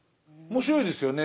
面白いですよね。